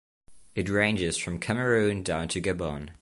It ranges from Cameroon down to Gabon.